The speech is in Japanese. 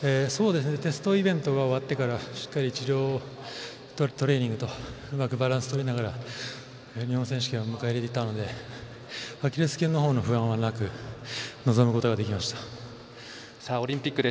テストイベントが終わってから、しっかり治療とトレーニングとうまくバランスをとりながら日本選手権を迎えられたのでアキレスけんのほうの不安はなくオリンピックです。